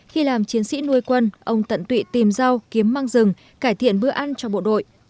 khi làm chiến sĩ nuôi quân ông tận tụy tìm rau kiếm măng rừng cải thiện bữa ăn cho bộ đội